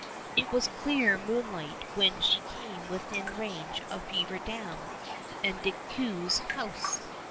It was clear moonlight when she came within range of Beaver Dam and De Ceu's house.